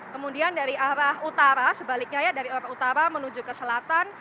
kemudian dari arah utara sebaliknya ya dari arah utara menuju ke selatan